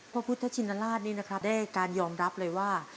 พระพุทธชินราชนี่นะครับได้การยอมรับเลยว่า